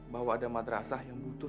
bahwa ada madrasah yang butuh seorang guru